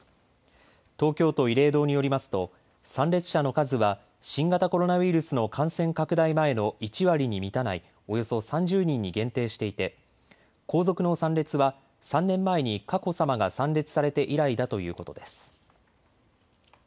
東京都慰霊堂によりますと参列者の数は新型コロナウイルスの感染拡大前の１割に満たないおよそ３０人に限定していて皇族の参列は３年前に佳子さまが参列されて以来だということです。